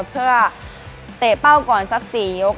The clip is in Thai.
เพื่อเตะเป้าก่อนสัก๔ยก